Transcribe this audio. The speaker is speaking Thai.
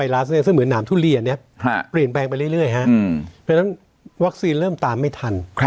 เรื่อยฮะเพราะฉะนั้นวัคซีนเริ่มตามไม่ทัน